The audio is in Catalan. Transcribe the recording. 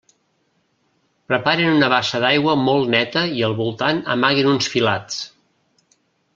Preparen una bassa d'aigua molt neta i al voltant amaguen uns filats.